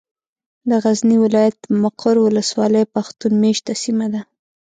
د غزني ولايت ، مقر ولسوالي پښتون مېشته سيمه ده.